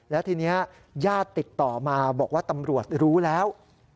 แล้วทีนี้ญาติติดต่อมาบอกว่าตำรวจรู้แล้ว